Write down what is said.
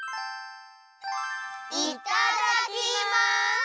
いただきます！